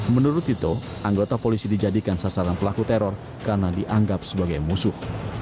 menurut tito anggota polisi dijadikan sasaran pelaku teror karena dianggap sebagai musuh